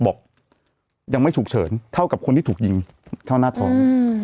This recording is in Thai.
บอกยังไม่ฉุกเฉินเท่ากับคนที่ถูกยิงเข้าหน้าท้อง